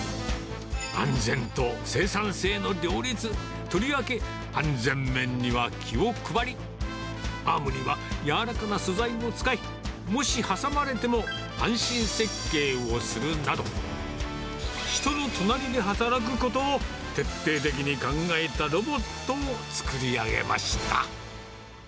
安全と生産性の両立、とりわけ安全面には気を配り、アームには柔らかな素材を使い、もし挟まれても安心設計をするなど、人の隣で働くことを徹底的に考えたロボットを作り上げました。